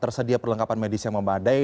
tersedia perlengkapan medis yang memadai